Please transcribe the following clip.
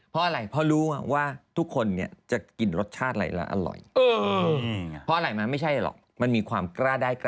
เพราะอะไรเพราะรู้ว่าทุกคนเนี่ยจะกินรสชาติอะไรแล้วอร่อย